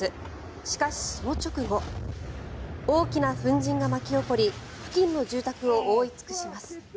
しかし、その直後大きな粉じんが巻き起こり付近の住宅を覆い尽くします。